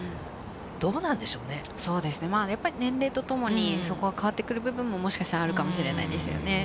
そうですね、やっぱり年齢とともに、そこは変わってくる部分も、もしかしたらあるかもしれないですよね。